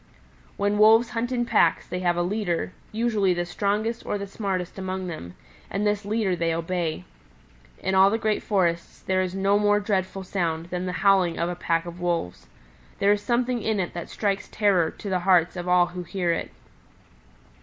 "When Wolves hunt in packs they have a leader, usually the strongest or the smartest among them, and this leader they obey. In all the great forests there is no more dreadful sound than the howling of a pack of wolves. There is something in it that strikes terror to the hearts of all who hear it.